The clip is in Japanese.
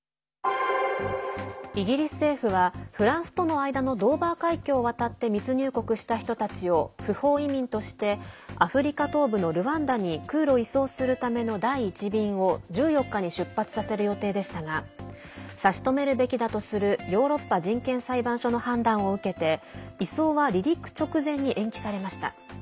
イギリス政府はフランスとの間のドーバー海峡を渡って密入国した人たちを不法移民としてアフリカ東部のルワンダに空路移送するための第１便を１４日に出発させる予定でしたが差し止めるべきだとするヨーロッパ人権裁判所の判断を受けて移送は離陸直前に延期されました。